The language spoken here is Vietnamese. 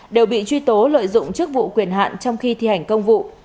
đều bị truy tố lợi dụng chức vụ quyền hạn trong khi thi hành công vụ